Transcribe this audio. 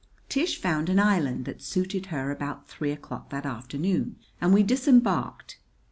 Tish found an island that suited her about three o'clock that afternoon, and we disembarked.